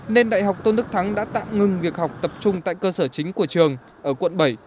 nên đại học tôn đức thắng đã tạm ngừng việc học tập trung tại cơ sở chính của trường ở quận bảy